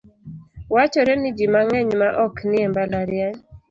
Wachore ni ji mang'eny ma ok nie mbalariany.